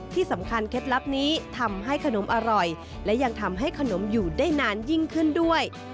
เคล็ดลับนี้ทำให้ขนมอร่อยและยังทำให้ขนมอยู่ได้นานยิ่งขึ้นด้วย